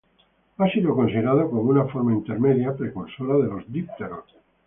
Ha sido considerado como una forma intermedia, precursora de los dípteros.